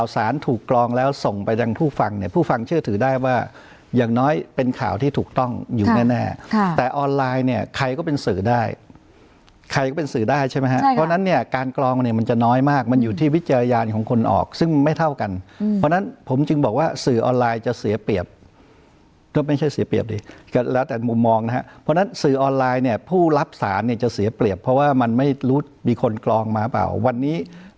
สารถูกกรองแล้วส่งไปดังผู้ฟังเนี้ยผู้ฟังเชื่อถือได้ว่าอย่างน้อยเป็นข่าวที่ถูกต้องอยู่แน่แน่แต่ออนไลน์เนี้ยใครก็เป็นสื่อได้ใครก็เป็นสื่อได้ใช่ไหมฮะเพราะฉะนั้นเนี้ยการกรองเนี้ยมันจะน้อยมากมันอยู่ที่วิจารณีของคนออกซึ่งมันไม่เท่ากันเพราะฉะนั้นผมจึงบอกว่าสื่อออนไลน์จะเสียเปรียบก็ไม